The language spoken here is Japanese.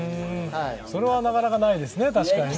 それはなかなかないですね。